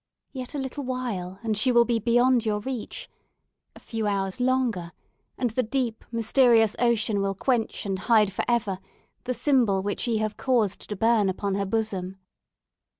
"Yet a little while, and she will be beyond your reach! A few hours longer and the deep, mysterious ocean will quench and hide for ever the symbol which ye have caused to burn on her bosom!"